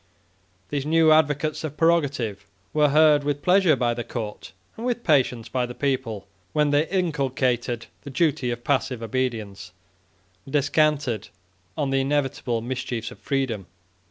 These new advocates of prerogative were heard with pleasure by the court, and with patience by the people, when they inculcated the duty of passive obedience, and descanted on the inevitable mischiefs of freedom.